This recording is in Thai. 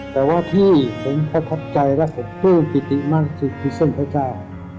แต่ว่าที่ผมประทับใจและผมพึ่งปิติมากที่พี่เส้นพระเจ้า